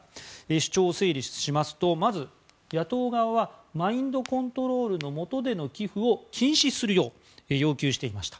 主張を整理しますとまず野党側はマインドコントロールの下での寄付を禁止するよう要求していました。